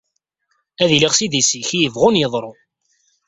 Ad iliɣ s idis-ik i yebɣun yeḍru.